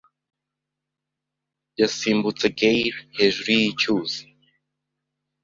Yasimbutse gaily hejuru yicyuzi